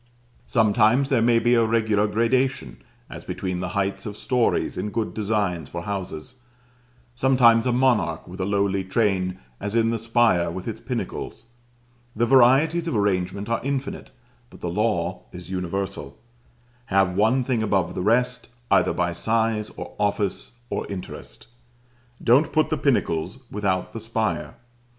Sometimes there may be a regular gradation, as between the heights of stories in good designs for houses; sometimes a monarch with a lowly train, as in the spire with its pinnacles: the varieties of arrangement are infinite, but the law is universal have one thing above the rest, either by size, or office, or interest. Don't put the pinnacles without the spire.